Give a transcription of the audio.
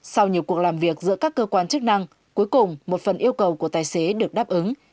sau nhiều cuộc làm việc giữa các cơ quan chức năng cuối cùng một phần yêu cầu của tài xế được đáp ứng